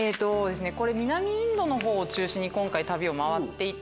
これ南インドのほうを中心に旅を回っていて。